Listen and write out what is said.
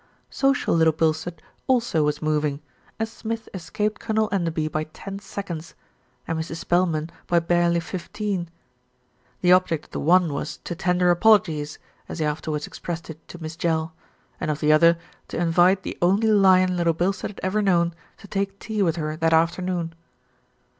Social Little Bilstead also was moving, and Smith escaped Colonel Enderby by ten seconds, and Mrs. Spelman by barely fifteen. The object of the one was "to tender apologies," as he afterwards expressed it to Miss Jell, and of the other to invite the only lion Little Bilstead had ever known to take tea with her that after noon.